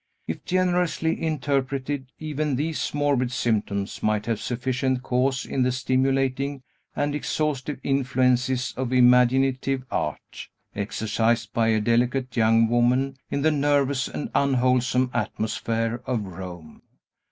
If generously interpreted, even these morbid symptoms might have sufficient cause in the stimulating and exhaustive influences of imaginative art, exercised by a delicate young woman, in the nervous and unwholesome atmosphere of Rome.